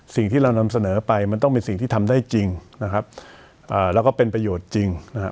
สิ่งที่เรานำเสนอไปมันต้องเป็นสิ่งที่ทำได้จริงนะครับอ่าแล้วก็เป็นประโยชน์จริงนะฮะ